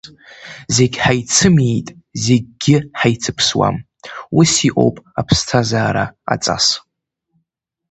Зегь ҳаицымиит, зегьгьы ҳаицыԥсуам, ус иҟоуп аԥсҭазаара аҵас!